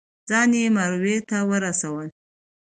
ځان یې مروه ته ورسولو.